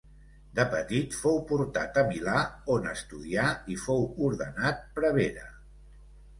De petit fou portat a Milà, on estudià i fou ordenat prevere.